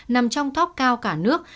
nằm trong thóc cao cả nước